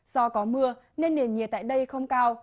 do có mưa nên nền nhiệt tại đây không cao